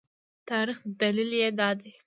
تاریخي دلیل یې دا دی.